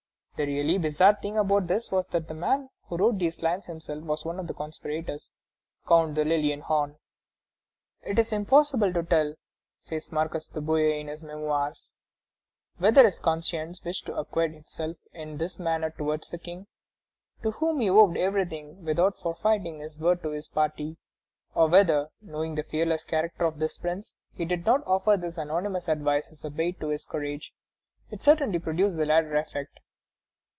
The really bizarre thing about this was that the man who wrote these lines was himself one of the conspirators, Count de Lilienhorn. "It is impossible to tell," says the Marquis de Bouillé in his Memoirs, "whether his conscience wished to acquit itself in this manner towards the King, to whom he owed everything, without forfeiting his word to his party, or whether, knowing the fearless character of this prince, he did not offer his anonymous advice as a bait to his courage. It certainly produced the latter effect."